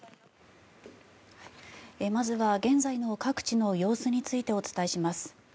まずは現在の各地の様子についてお伝えします。